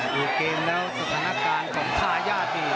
ดูเกมแล้วสถานการณ์ของทายาทนี่